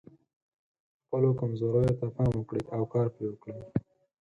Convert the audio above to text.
خپلو کمزوریو ته پام وکړئ او کار پرې وکړئ.